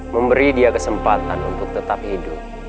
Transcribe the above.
memberi dia kesempatan untuk tetap hidup